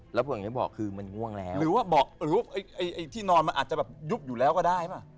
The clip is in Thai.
หรือที่นอนมันอาจจะยุบอยู่แล้วก็ได้